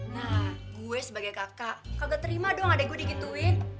nah gue sebagai kakak kagak terima dong ada yang gue digituin